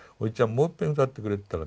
もういっぺん歌ってくれって言ったらね